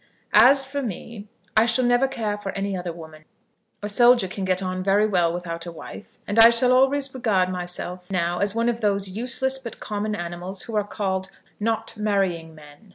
As for me, I shall never care for any other woman. A soldier can get on very well without a wife, and I shall always regard myself now as one of those useless but common animals who are called "not marrying men."